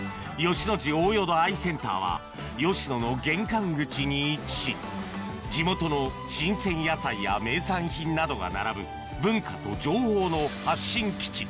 ここ吉野の玄関口に位置し地元の新鮮野菜や名産品などが並ぶ文化と情報の発信基地